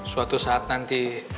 suatu saat nanti